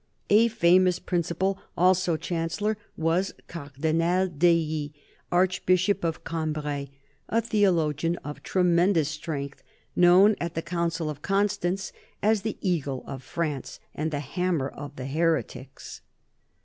A famous Principal, also Chancellor, was Cardinal d'Ailly, Archbishop of Cambray, a theologian of tremendous strength, known at the Council of Constance as the " Eagle of France," and " the Hammer of the Heretics."